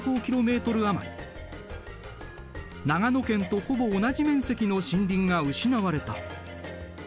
余り長野県とほぼ同じ面積の森林が失われた。